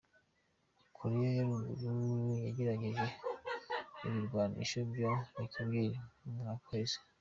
Korea ya ruguru yaragerageje ibirwanisho vya nucleaire mu mwaka uheze.